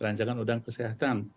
rancangan undang kesehatan